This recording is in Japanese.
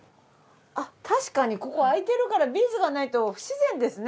確かにここ空いてるからビーズがないと不自然ですね。